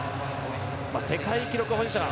世界記録保持者です。